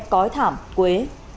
cói thảm quế